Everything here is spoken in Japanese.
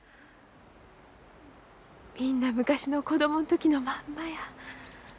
みんな昔の子供の時のまんまや。